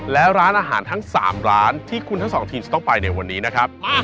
และร้านอาหารทั้ง๓ร้านที่คุณทั้งสองทีมจะต้องไปในวันนี้นะครับ